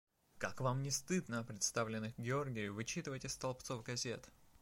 Как вам не стыдно о представленных к Георгию вычитывать из столбцов газет?!